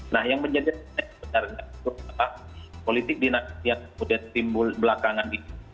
nah yang menjadi benar benar itu adalah politik dinasti yang sudah timbul belakangan